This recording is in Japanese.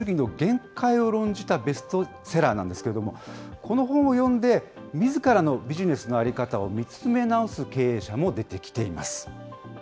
現代の資本主義の限界を論じたベストセラーなんですけれども、この本を読んで、みずからのビジネスの在り方を見つめ直す経営者も出てきています。